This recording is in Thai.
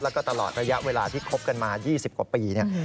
แล้วก็ตลอดระยะเวลาที่คบกันมา๒๐กว่าปีเนี่ย